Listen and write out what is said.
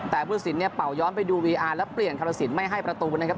แต่ผู้สินเนี่ยเป่าย้อนไปดูวีอาร์แล้วเปลี่ยนธรรมสินไม่ให้ประตูนะครับ